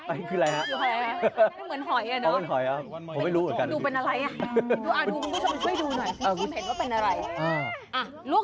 อ่ะลวงขึ้นมาเร็วลูก